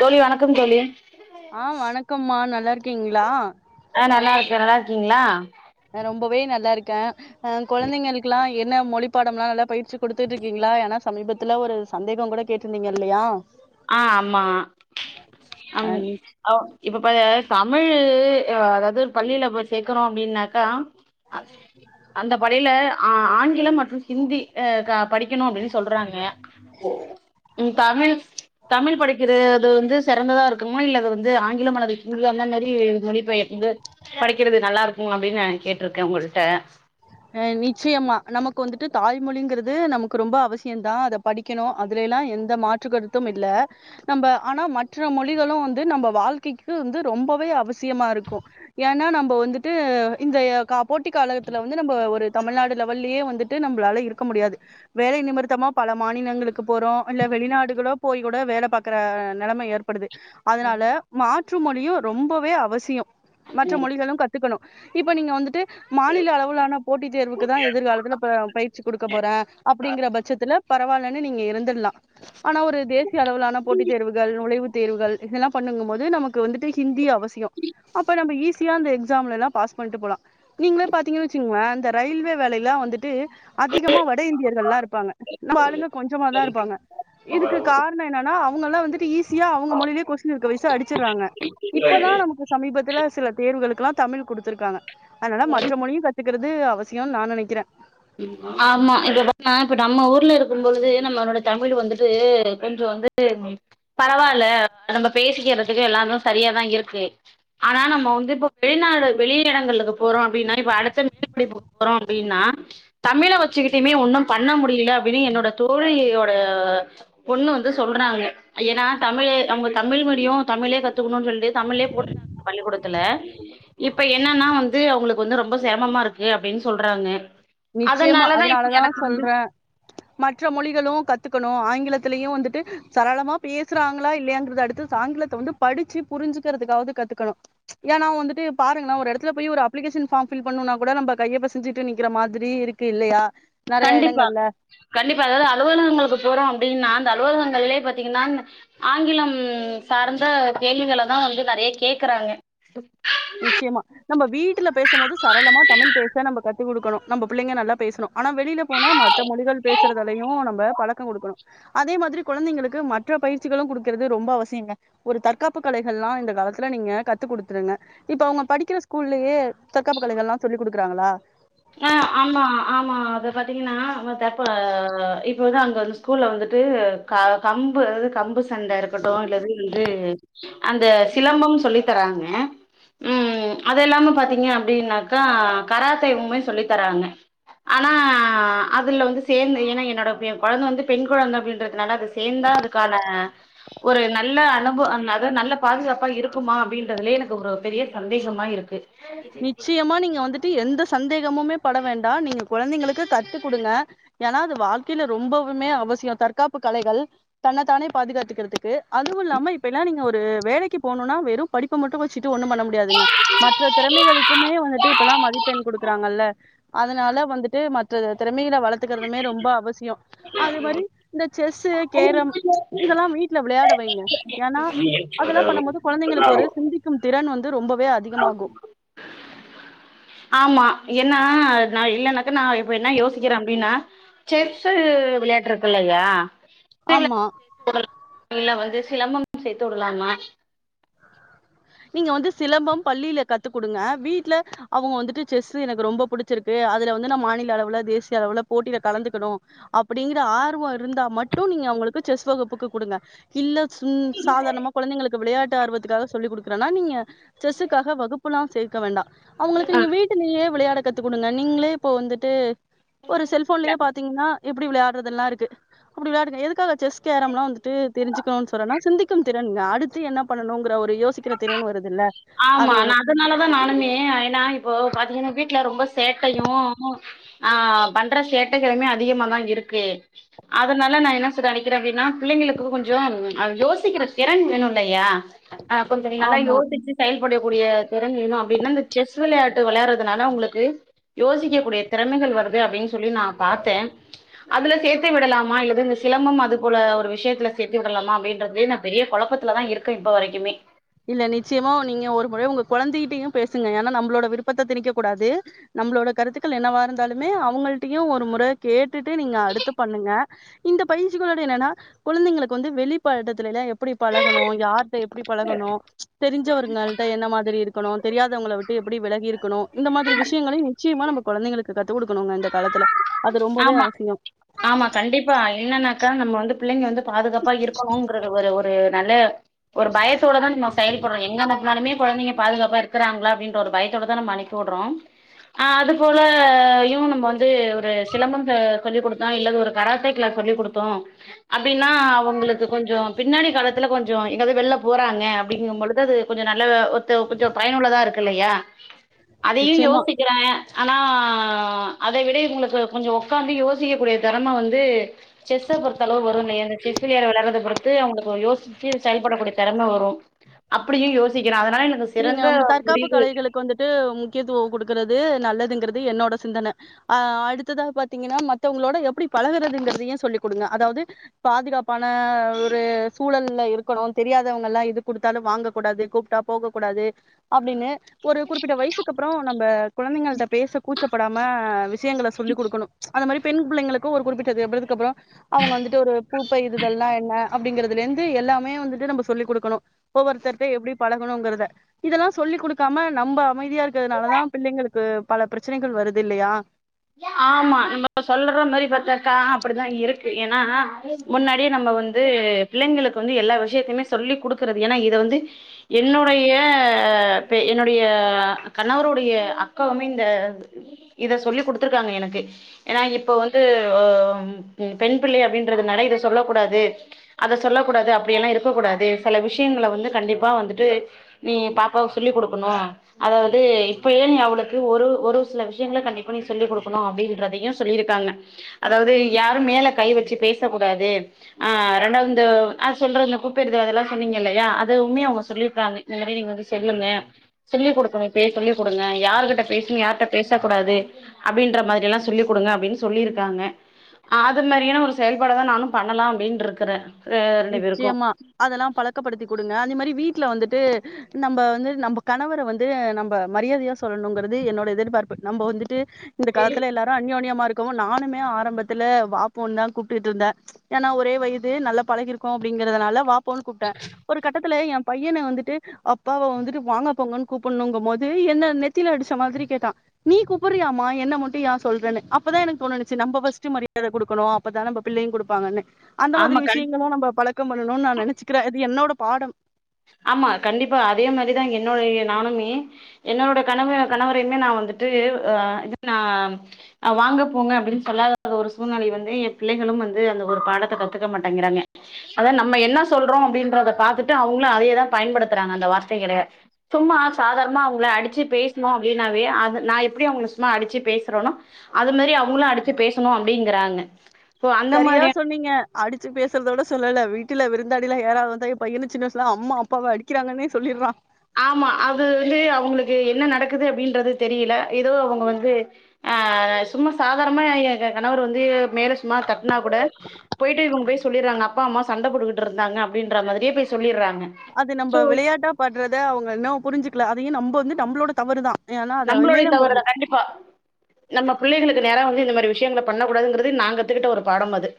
தோழி வணக்கம் தோழி ஆ வணக்கம்மா நல்லாருக்கீங்ளா ஆ நல்லாருக்கே நல்லாருக்கீங்ளா நா ரொம்பவே நல்லாருக்கே ஆ கொழந்தைங்களுக்கெல்லா என்ன மொழி பாடம்ல்லா நல்லா பயிற்சி குடுத்துட்ருக்கீங்களா ஏனா சமீபத்துல ஒரு சந்தேகொ கூட கேட்ருந்தீங்க இல்லயா ஆ ஆமா அ அவ் இப்பப்பா தமிழ் அதாவ்து பள்ளில போய் சேக்கிறோ அப்டின்னாக்கா அந்த பள்ளில ஆ ஆங்கிலம் மற்று ஹிந்தி ஆ க படிக்கணு அப்டின் சொல்றாங் க இன் தமிழ் தமிழ் படிக்கிறது வந்து செறந்ததா இருக்குமா இல்ல அது வந்து ஆங்கிலம் அல்லது ஹிந்தி அந்த மாரி மொழி பெயர்ந்து படிக்கிறது நல்லாருக்கு அப்டின்னு நா கேட்ருக்கே ஒங்கள்ட்ட ஆ நிச்சயமா நமக்கு வந்துட்டு தாய்மொழிங்கறது நமக்கு ரொம்ப அவசியந்தா அத படி க்கணு அதுலைல்லா எந்த மாற்று கருத்தும் இல்ல நம்ப ஆனா மற்ற மொழிகளு வந்து நம்ப வாழ்க்கைக்கு வந்து ரொம்பவே அவசியமாருக்கு ஏனா நம்ப வந்துட்டு இந்தய கா போட்டி காலத்துல நம்ப ஒரு தமிழ்நாடு லெவல்லயே வந்துட்டு நம்பளால இருக்க முடியாது வேலை நிமிர்த்தமா பல மாநிலங்களு க்கு போறோ இல்ல வெளிநாடுகளோ போய் கூட வேல பாக்குற நெலமை ஏற்படுது அதனால மாற்று மொழியு ரொம்பவே அவசியோ மற்ற மொழிகளு கத்துக்கணு இப்ப நீங்க வந்துட்டு உள்ளான போட்டித் தேர்வுக்கு தா எதிர்காலத்துல ப்ப பயிற்சி குடுக்க போறே அப்டிங்ற பட்சத்துல பரவால்லன்னு நீங்க இருந்துட்லா ஆனா ஒரு தேசிய அளவிலான போட்டி தேர்வுகள் நுழைவுத்தேர்வுகள் இதெல்லா பண்ணுங்கம் போது நமக்கு வந்துட்டு ஹிந்தி அவ சியோ அப்ப நம்ப ஈஸியா அந்த எக்ஸாம்லல்லா பாஸ் பண்ட்டு போலா நீங்ளே பாத்தீங்னா வ சிங்ளே இந்த ரயில்வே வேலைல்லா வந்து ட்டு அதிகமா வட இந்தியர்கள்லா இருப்பாங்க நம்மாளுங்க கொஞ்சமா தாருப்பாங்க இதுக்கு கார்ணோ என்னன்னா அவுங்கல்லா வந்துட்டு ஈ சியா அவுங்க மொழிலே கொஸ்டின் இருக்க வய்சு அடிச்சுராங்க இல்ல இது இப்பதா நமக்கு சமீபத்துல சில தேர்வுகளுக்கல்லா தமிழ் குடுத்திருக்காங்க ஆனால மற்ற மொழியு த்துக்கறது அவசியோன் நா நெனைக்கிறே ஆமா இப்ப பாத்தம்னா இப்ப நம்ம ஊர்ல இருக்கும்பொழுது நம்மளோட தமிழ் வந்துட்டு கொஞ்சோ வந்து பரவால்ல நம்ம பேசிக்கிறதுக்கு எல்லாரு சரியாதா இருக்கு ஆனா நம்ம வந்து இப்ப வெளிநாடு வெளி இடங்களுக்கு போறோ அப்டின்னா இப்ப அடுத்த மேல்படிப்பு போறோ அப்டின்னா தமிழ வச்சுக்கிட்டுமே ஒன்னு பண்ண முடில அப்டின்னு என்னோட தோழியோட பொண்ணு வந்து சொல்றாங்க ஏன்னா தமிழு அவுங்க தமிழ் மீடியோ தமிழே கத்துக்கணுன் சொல்லிட்டு தமிழே போட்டாங்க பள்ளிக்கூடத்துல இப்ப என்னன்னா வந்து அவுங்களுக்கு வந்து ரொம்ப செரமமாருக்கு அப்டின் சொல்றாங்க நிச்சயமா இப்ப அதனாலதா எனக்கு சொல்றே மற்ற மொழிகளு கத்துக்கணு ஆங்கிலத்திலயு வந்துட்டு சரளமா பேசுறாங்ளா இல்லயான்றத அடுத்து ஆங்கிலத்த வந்து படிச்சு புரிஞ்சுக்றதுக்காவது கத்துக்கணு ஏனா வந்துட்டு பாருங்களே ஒரு எடத்துல போய் ஒரு அப்ளிகேஷன் ஃபார்ம் ஃபில் பண்ணணுனா கூட நம்ப கைய பெசஞ்சிட்டு நிக்கிற மா திரி இருக்கு இல்லயா கண்டிப்பா கண்டிப்பா அதாது அலுவலகங்களுக்கு போறோ அப்டின்னா அந்த அலுவலகங்கள்லே பாத்திங்கன்னா ஆங்கிலம் சார்ந்த கேள்விகள தா வந்து நறைய கேக்குறாங்க நிச்சியமா நம்ம வீட்டுல பேசும்போது சரளமா தமிழ் பேச நம்ம கத்து குடுக்கணு நம்ம புள்ளைங்க நல்லா பேஸ்ணு ஆனா வெளில போனா மற்ற மொழிகள் பேசுறதலயு நம்ம பழக்கோ குடுக்குணு அதே மாதிரி குழந்தைங்களுக்கு மற்ற பயிற்சிகளு குடுக்கறது ரொம்ப அவசியங்க ஒரு தற்காப்பு கலைகள்லா இந்த காலத்துல நீங்க கத்து குடுத்துருங்க இப்ப அவுங்க படிக்கிற ஸ்கூல்லியே தற்காப்பு கலைகள்லா சொல்லி குடுக்குறாங்களா ஆ ஆமா ஆமா அத பாத்திங்கன்னா வ தப்ப இப்பதா அங்க வந்து ஸ்கூல்ல வந்துட்டு க கம்பு அதாது கம்பு சண்ட இருக்குட்டு இல்லது வந்து அந்த சிலம்பம் சொல்லி தராங்க ம் அத இல்லாம பாத்திங்க அப்டின்னாக்கா கராத்தேவுமே சொல்லி தராங்க ஆனா அதுல வந்து சேந்தே ஏனா என்னோட ஏன் கொழந்த வந்து பெண் கொழந்த அப்டின்றதுனால அது சேந்தா அதுக்கான ஒரு நல்ல அனுபு அந் அதாது நல்ல பாதுகாப்பா இருக்குமா அப்டின்றதுலே எனக்கு ஒரு பெரிய சந்தேகமா இருக்கு நிச்சியமா நீங்க வந்துட்டு எந்த சந்தேகமுமே பட வேண்டா நீங்க கொழந்தைங்களுக்கு கத்து குடுங்க ஏனா அது வாழ்க்கைல ரொம்பவுமே அவசியோ தற்காப்பு கலைகள் தன்னத்தானே பாதுகாத்துக்கிறத்துக்கு அதுவு இல்லாம இப்ப எல்லா நீங்க ஒரு வேலைக்கு போணுனா வெறு படிப்ப மட்டு வச்சிட்டு ஒன்னு பண்ண முடியாதுங்க மத்த திறமைகளுக்குமே வந்துட்டு இப்பெல்லா மதிப்பெண் குடுக்குறாங்கல்ல அதனால வந்துட்டு மற்ற திறமைகள வளத் த்துக்கறதுமே ரொம்ப அவசியோ அது மாரி இந்த செஸ்சூ கேரம் இதெல்லா வீட்ல விளயாட வைங்க ஏனா அதெல்லா பண்ணம்போது குழந்தைங்களுக்கு ஒரு சிந்திக்கும் திறன் வந்து ரொம்பவே அதிக ஆ [inaudible] ஆமா என்னா நா இல்லனாக்கா நா இப்ப என்ன யோசிக்கிறே அப்டின்னா செஸ்சு விளையாட்றதுலயா ஆமா [inaudible] இல்ல வந்து சிலம்பம் சேத்து உடலாமா நீங்க வந்து சிலம்பம் பள்ளில கத்து குடுங்க வீட்ல அவுங்க வந்துட்டு செஸ்சு எனக்கு ரொம்ப புடிச் ச்சிருக்கு அதுல வந்து நா மாநில அளவுல தேசிய அளவுல போட்டில கலந்துக்குணு அப்டிங்ற ஆர்வம் இருந்தா மட்டு நீங்க அவுங்களுக்கு செஸ் வகுப்புக்கு குடுங்க இல்ல சின் சாதாரணமா குழந்தைங்களுக்கு விளையாட்டு ஆர்வத்துக்காக சொல்லி குடுக் கணுனா நீங்க செஸ்சுக்காக வகுப்புலா சேக்க வேண்டா அவுங்களுக்கு ஆ நீங்க வீட் டுலியே விளையாட கத்து குடுங்க நீங்ளே இப்போ வந்துட்டு ஒரு செல் ஃபோன்லியே பாத்திங்னா எப்டி விளையாட்றதுன்லா இருக்கு அப்டி விளையாடுங்க எதுக்காக செஸ் கேரம்லா வந்துட்டு தெரிஞ்சுக்கணுன் சொன்னனா சிந்திக்கும் திறன் ங்க அடுத்து என்ன பண்ணணுங்ற ஒரு யோசிக்கிற திறன் வருதுல ஆமா நா அதனாலதா நானுமே ஏன்னா இப்போ பாத்தீங்கன்னா வீட்ல ரொம்ப சேட்டையும் ஆ அவ பண்ற சேட்டைகளுமே அதிகமாதா இருக்கு அதனால நா என்ன சொல்ற சேர் அப்டின்னா பிள்ளைங்களுக்கு கொஞ்சோ அ யோசிக்கிற திறன் வேணு இல்லையா ஆ கொஞ்ச நல்லா ஆமா யோசிச்சு. செயல்படிய கூடிய திறன் வேணு அப்டின்னா இந்த செஸ் விளையாட்டு விளையாடுறதுனால உங்குளுக்கு யோசிக்க கூடிய திறமைகள் வருது அப்டின் சொல்லி நா பாத்தே அதுல சேத்தி விடலாமா இல்லது இந்த சிலம்பம் அது போல ஒரு விஷயத்துல சேத்தி விடலாமா அப்டின்றதே நா பெரிய கொழப்பத்துல தா இருக்கே இப்ப வரைக்குமே இல்ல நிச்சயமா நீங்க ஒரு முற உங்க கொழந்தைட்டியு பேசுங்க ஏனா நம்ளோட விருப்பத்த திணிக்க கூடாது நம்ளோட கருத்துக்கள் என்னவா இருந்தாலுமே அவுங்கள்ட்டியுமே ஒரு முற கேட்டுட்டு நீங்க அடுத்து பண்ணுங்க இந்த பயிஞ்சிகளோட என்னன்னா குழந்தைங்களுக்கு வந்து வெளிப்படத்துலல்ல எப்படி பழகணு‌ யார்ட்ட எப்டி தோணு தெரிஞ்சவர்கள்ட்ட என்ன மாதிரி இருக்கணு தெரியாதவங்கள விட்டு எப்படி விலகி இருக்கணு இந்த மாரி விஷயங்களயு நிச்சயமா நம்ப குழந்தைகளுக்கு கத்து குடுக்கணுங்க இந்த காலத்துல அது ரொம்பவே ஆமா அவசியம் ஆமா கண்டிப்பா என்னன்னாக்கா நம்ம வந்து பிள்ளைங்க வந்து பாதுகாப்பா இருக்கணும்ங்கறது ஒரு ஒரு நல்ல ஒரு பயத்தோடதான் நம் செயல்படுவோ எங்க பாத்தாலுமே கொழந்தைங்க பாதுகாப்பா இருக்க இருக்கறாங்களா அப்டின்ட்ரா ஒரு பயத்தோட தா நம்ப அனுப்பி உட்றோ அ அது போல ஐயோ நம்ப வந்து அ சிலம்பத்த சொல்லிக் குடுத்தோ இல்லது ஒரு கராத்தே க்லாஸ் சொல்லிக் குடுத்தோ அப்டின்னா அவங்களுக்கு கொஞ்சோ பின்னாடி காலத்துல கொஞ்சோ எங்காது வெள்ள போறாங்க அப்படிங்கும்பொழுது அது கொஞ்சோ நல்ல ஒத்து கொஞ்சோ பயனுள்ளதா இருக்கு இல்லையா அதையு நிச்சயமா யோசிக்ற ஆனா அதை விட கொஞ்சோ உக்காந்து யோசிக்கக்கூடிய தெறம வந்து செஸ்ஸ பொறுத்தளவு வருங்க எனக்கு சிலிய விலாட்றத பொறுத்து அவுங்களுக்கு யோசிச்சு செயல்படக்கூடிய தெறம வரும். அப்பிடியு யோசிக்கற அதனால எனக்கு நீங்க சிறந்த உங்க தற்காப்பு முடிவு கலைகளுக்கு வந்துட்டு முக்கியத்துவோ குடுக்கறது நல்லதுங்கிறது என்னோட சிந்தன ஆ அடுத்ததா பாத்தீங்கன்னா மத்தவங்களோட எப்படி பழகுறதுங்கிறதையு சொல்லிக் குடுங்க அதாவது பாதுகாப்பான ஒரு சூழல்ல இருக்கணு தெரியாதவங்கல்லா எது குடுத்தாலு வாங்க கூடாது கூப்ட்டா போகக்கூடாது அப்டின்னு ஒரு குறிப்பிட்ட வயசு கப் அப்றோ நம்ப குழந்தைங்கள்ட்ட பேச கூச்சப்படாம விஷயங்கள சொல்லிக் குடுக்கணும் அந்த மாரி பெண் பிள்ளைங்களுக்கு ஒரு குறிப்பிட்டது பிருதுக்கு அப்றோ அவுங்க வந்துட்டு ஒரு பூப்பெய்ருதல்னா என்ன அப்டிங்கறதுலேந்து எல்லாமே வந்துட்டு நம்ப சொல்லி குடுக்கணு ஒவ்வொர்த்தர்ட்ட எப்டி பழ கணுங்கறத இதெல்லா சொல்லி் குடுக்காம நம்ப அமைதியா இருக்கறுனாலதா பிள்ளைங்களுக்கு பல பரச்சனைகள் வருது இல்லையா ஆமா ந சொல்ற மாரி பாத்தாக்கா அப்புடிதா இருக்கு ஏன்னா முன்னாடியே நம்ப வந்து பிள்ளைங்களுக்கு வந்து எல்லா விஷயத்தையுமே சொல்லி குடுக்குறது ஏன்னா இத வந்து என்னுடைய பே என்னுடைய கணவருடைய அக்காவுமே இந்த இத சொல்லி குடுத்துருக்காங்க எனக்கு ஏனா இப்ப வந்து அ ம் பெண் பிள்ளை அப்படின்றதுனாலே இத சொல்ல கூடாது அத சொல்ல கூடாது அப்டியல்லா இருக்க கூடாது செல விஷயங்கள வந்து கண்டிப்பா வந்துட்டு நீ பாப்பாவுக் சொல்லி குடுக்குணு அதாவது இப்பயே நீ அவளுக்கு ஒரு ஒரு சில விஷயங்ள கண்டிப்பா நீ சொல்லி குடுக்கணு அப்டின்றதையு சொல்லியிருக்காங்க அதாவது யாரும் மேல கை வச்சு பேச கூடாது அ ரெண்டாவ்து இந்த அ சொல்றது பூப்பெர்து அதெல்லா சொன்னீங்க இல்லையா அதுவுமே அவுங்க சொல்லிருக்காங்க எல்லாமே நீங்க வந்து சொல்லுங்க சொல்லி குடுக்கனு இப்பயே சொல்லி குடுங்க யாருகிட்ட பேசனு யார்ட்ட பேச கூடாது அப்டின்ற மாரியெல்லா சொல்லி் குடுங்க அப்டின் சொல்லிருக்காங்க அஅது மாரியான ஒரு செயல்பாட தா நானும் பண்ணலா அப்டின்ருக்கற நிச்சியமா அதெல்லா பழக்கப்படுத்தி குடுங்க அதே மாரி வீட்ல வந்துட்டு நம்ப வந்து நம்ப கணவர வந்து நம்ப மரியாதயா சொல்லணுங்கறது என்னோட எதிர்பார்ப்பு நம்போ வந்துட்டு இந்த காலத்துல எல்லாரு அன்யோன்யமா இருக்கோ நானுமே ஆரம்பத்துல வா போன்தா கூப்டுட்ருந்தே ஏனா ஒரே வயது நல்லா பழகிருக்கோ அப்டிங்கறதனால வாபோன் கூப்ட்டே ஒரு கட்டத்துல என் பையன வந்துட்டு அப்பாவ வந்துட்டு வாங்க போங்கன் கூப்புண்ணுங்கும் போது என்ன நெத்தில அடிச்ச மாதிரி கேட்டா நீ கூப்புரியாமா என்ன மட்டு யா சொல்றன்னு அப்பதா எனக்கு தோணுணுச்சு நம்ப ஃபஸ்ட்டு மரியாத குடுக்கணு அப்பதா நம்ப பிள்ளையு குடுப்பாங்கன்னு அந்த மாதிரி ஆமா விஷயங்கள்ளா நம்ப பழக்கம் பண்ணணுண் நா நெனச்சுக்றே இது என்னோட பாடம் ஆமா கண்டிப்பா அதே மாரிதா என்னோடைய நானுமே என்னோட கணவ கணவரயுமே நா வந்துட்டு அ நா வாங்க போங்க அப்டின் சொல்லாத ஒரு சூழ்நிலை வந்து என் பிள்ளைகளும் வந்து அந்த ஒரு பாடத்த கத்துக்க மாட்டேங்கறாங்க அதா நம்ம என்ன சொல்றோ அப்டின்றத பாத்துட்டு அவுங்களு அதையேதா பயன்படுத்துறாங்க அந்த வார்த்தைகள சும்மா சாதாரணமா அவுங்கள அடிச்சு பேசணோ அப்டின்னாவே அது நா எப்டி அவுங்க சும்மா அடிச்சு பேசுறனோ அது மாரி அவுங்களு அடிச்சி பேசணு அப்டிங்கறாங்க சரியா சொன்னீங்க அடிச்சு பேசுறத விட சொல்லல வீட்டுல விருந்தாளிலா யாரா வந்தா எம்பையன்னு சின்ன வயசுல அம்மா அப்பாவ அடிக்கிறாங்கன்னே சொல்லிறா ஆமா அது வந்து அவுங்களுக்கு என்ன நடக்குது அப்டின்றது தெரியில எதோ அவங்க வந்து அ சும்மா சாதாரணமா எ எ கணவர் வந்து மேல சும்மா தட்னா கூட போய்ட்டு இவுங் போய் சொல்லிற்றாங்க அப்பா அம்மா சண்ட போட்டுக்குட்டு இருந்தாங்க அப்டின்ற மாரியே போய் சொல்லிற்றாங்க அது நம்ப விளையாட்டா பன்றத அவுங்க இன்னும் புரிஞ்சுக்குல அதையே நம்ப வந்து நம்ப்ளோட தவறுதா ஏன்னா அதயுமே நம்ப்ளோடய நம்ம தவருதா கண்டி ப்பா நம்ம புள்ளைகளுக்கு நேரா வந்து இந்த மாரி விஷயங்கள பண்ணகூடாதுங்கறது நா கத்துகுட்ட ஒரு பாடம் அது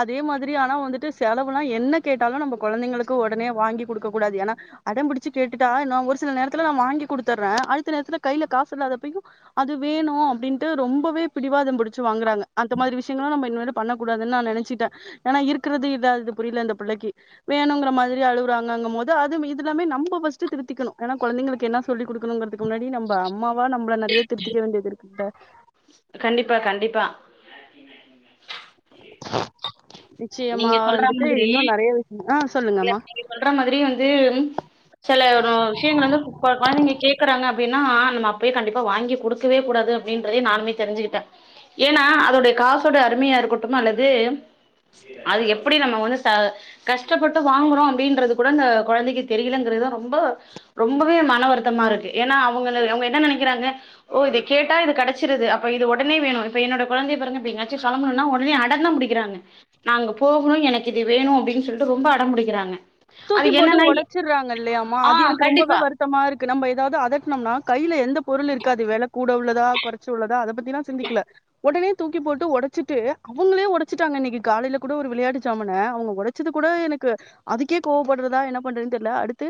அதே மாதிரி ஆனா வந்துட்டு செலவுலா என்ன கேட்டாலு நம்ப கொழந்தைங்களுக்கு ஒடனே வாங்கி குடுக்க கூடாது ஏனா அடம்புடிச்சி கேட்டுட்டா நா ஒரு சில நேரத்துல நா வாங்கி குடுத்துர்ற அடுத்த நேரத்துல கைல காசு இல்லாதப்பயு அது வேணு அப்டின்ட்டு ரொம்பவே பிடிவாதம் புடிச்சு வாங்குறாங்க அந்த மாரி விஷயங்களா நம்ப இனிமேலு பண்ண கூடாது அதா நா நெனச்சிட்ட ஏனா இருக்குறது இதா இது புரியல இந்த புள்ளைக்கி வேணுங்கற மாதிரி அழுவுறாங்கங்கும் போது அது இதுல்லாமே நம்ப ஃபஸ்டு திருத்திக்கணு ஏனா கொழந்தைங்களுக்கு என்ன சொல்லி குடுக்கணுங்கறது முன்னாடி நம்ப அம்மாவா நம்ல நெறையா திருத்திக்க வேண்டியதுருக்குல்ல கண்டிப்பா கண்டிப்பா நிச்சயமா நீங்க சொல்ற வந்துட்டு இன்னு நெறையா வி அ சொல்லுங்கம்மா சொல்றா மாதிரி வந்து செல விஷயங்கள் வந்து கொழந்தைங்க கேக்குறாங்க அப்டின்னா நம்ம அப்ப கண்டிப்பா வாங்கி குடுக்கவே கூடாது அப்படின்றதயு நானுமே தெரிஞ்சுக்கிட்டே ஏன்னா அதோடைய காசோட அருமையா இருக்கட்டும் அல்லது அது எப்படி நம்ம வந்து ச கஷ்டப்பட்டு கொடுக்றோ அப்படின்றது கூட அந்த கொழந்தைக்கு தெரியலங்கிறதுதா ரொம்ப ரொம்பவே மன வருத்தமா இருக்கு ஏன்னா அவங்க அவங்க என்ன நெனைக்கிறாங்க ஓ இத கேட்டா இது கெடைச்சிடுது அப்ப இது உடனே வேணு இப்ப என்னோட கொழந்தைய பாருங்க இப்ப எங்கயாச்சு கெளம்பனும்னா உடனே அடந்தா புடிக் குறாங்க நா அங்க போகணு எனக்கு இது வேணு அப்படின்னு சொல்லிட்டு ரொம்ப அடம் புடிக்கிறாங்க அது தூக்கி போட்டு என்னன்னு ஒடச்சிறாங்க இல்லையாம்மா ஆ அது எனக்கு ரொம்பவே கண்டிப்பா வரு த்தமா இருக்கு நம்ம எதாவது அதட்னோம்னா கைல எந்த பொருளு இருக்காது வெல கூட உள்ளதா கொறச்சு உள்ளதா அத பத்திலா சிந்திக்கல ஒடனே தூக்கி போட்டு ஒடச்சிட்டு அவங்களே ஒடச்சிட்டாங்க இன்னைக்கு காலயில கூட ஒரு வெளயாட்டு ஜாமான அவங்க ஒடச் சது கூட எனக்கு அதுக்கே கோவப்படுறதா என்ன பண்றதுன்னு தெரியல அடுத்து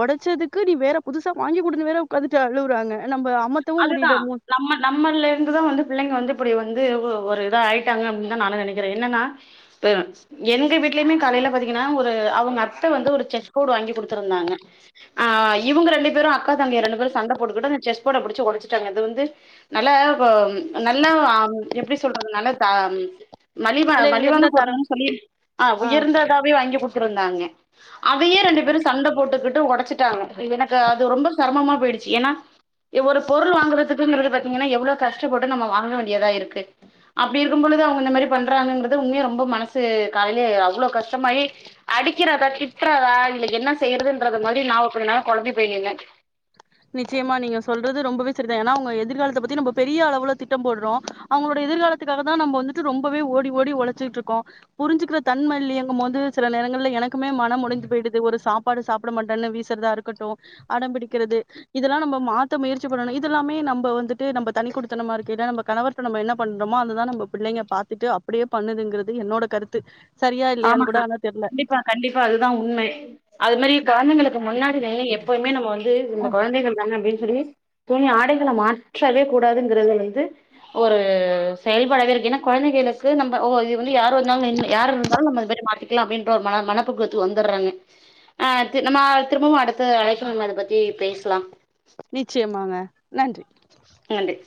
ஒடச்சதுக்கு நீ வேற புதுசா வாங்கி கொடுன் வேற உக்காந்துட்டு அழுவுறாங்க நம்ம அமத்தவும் அதுதா முடியல மூ- நம்ம நம்மல்லருந்துதா வந்து பிள்ளைங்க வந்து இப்படி வந்து ஒரு இதா ஆயிட்டாங்க அப்டின்னுதா நானு நெனைக்கிறே என்னன்னா பேரன்ட்ஸ் எங்க வீட்லயுமே காலயில பாத்தீங்கன்னா ஒரு அவுங்க அத்த வந்து ஒரு செஸ் போட் வாங்கி குடுத்திருந்தாங்க அ இவுங்க ரெண்டு பேரு அக்கா தங்கக ரெண்டு பேரும் சண்ட போட்டுக்கிட்டு அந்த செஸ் போர்ட புடுச் ஒடச்சிட்டாங்க அது வந்து நல்ல நல்ல அம் எப்டி சொல்றது நல்லத ம் மலிவ விலை மலிவான உயர்ந்த தரம் பொருள்ன்னு சொல்லி அ ஆஹ் உயர்ந்ததாவே வாங்கி குடுத்திருந்தாங்க அதையே ரெண்டு பேரு சண்ட போட்டுக்கிட்டு உடைச்சிட்டாங்க எனக்கு அது ரொம்ப செரமமா போயிடுச்சு ஏன்னா ஒரு பொருள் வாங்கறதுக்குங்கிறது பாத்தீங்கன்னா எவ்ளோ கஷ்டப்பட்டு நம்ம வாங்க வேண்டியதா இருக்கு அப்டி இருக்கும் பொழுது அவுங்க இந்த மாரி பண்றாங்கன்றது உண்மையா ரொம்ப மனசு காலையிலே அவ்ளோ கஷ்டமாயி அடிக்கிறதா திட்றதா இல்ல என்ன செய்யறதுன்றது மாரி நா கொஞ்ச நேரோ கொழம்பி போயி நின்ன நிச்சயமா நீங்க சொல்றது ரொம்பவே சரிதா ஏன்னா அவுங்க எதிர்காலத்த பத்தி நம்ம பெரிய அளவுல திட்டம் போட்றோ அவுங்களோட எதிர்காலத்துக்காக தா நம்ம வந்துட்டு ரொம்பவே ஓடி ஓடி ஒழைச்சிட்டு இருக்கோ புரிஞ்சுக்கிற தன்ம இல்லயேங்கம் போது சில நேரங்கள்ல எனக்குமே மனம் உடஞ்சு போயிடுது ஒரு சாப் சாப்பாடு சாப்ட மாட்டேன்னு வீசறதா இருக்கட்டூ அடம்பிடிக்கறது இதெல்லா நம்ம மாத்த முயற்சி பண்ணனு இதெல்லாமே நம்ப வந்துட்டு நம்ம தனி குடுத்தனமா இருக்கைல நம்ம கணவர் நம்ம என்ன பண்றமோ அதுதா நம்ம பிள்ளைங்க பாத்துட்டு அப்டியே பண்ணுதுங்கிறது என்னோட கருத்து சரியா இல்லையான்னு கூட ஆமாக்கா ஆனா தெர்ல கண்டிப்பா கண்டிப்பா அதுதா உண்மை அது மாரி கொழந்தைங்களுக்கு முன்னாடி எப்பவுமே நம்ம வந்து நம்ம அஹ் குழந்தைகள் தான அப்டின்னு சொல்லி துணி ஆடைகள மாற்றவே கூடாதுங்கிறது ஒரு செயல்பாடவே இருக்கு ஏன்னா குழந்தைகளுக்கு நம்ம ஓ இது வந்து யாரு வந்தாலு யார் இரு ந்தாலு நம்ம இந்த மாரி மாத்திக்கலா அப்டின்ற ஒரு மன மனப்பக்குவத்துக்கு வந்தர்றாங்க அ தி நம்ம திரும்பவு அடுத்து அழைப்புல நம்ம அத பத்தி பேசலா நிச்சயமாங்க நன்றி நன்றி